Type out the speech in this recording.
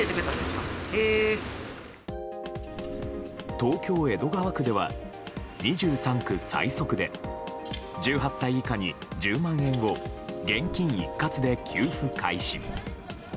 東京・江戸川区では２３区最速で１８歳以下に１０万円を現金一括で給付開始。